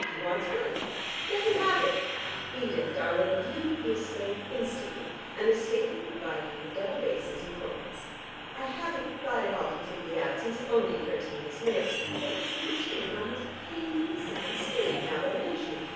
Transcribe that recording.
He wants work: let him have it. Edith, darling, you would be a slave instantly, and the State would provide you with double basses and cornets. I haven't thought it all completely out, since it only occurred to me this minute, but it seems to me an almost painfully sound scheme now that I mention it.